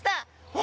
お！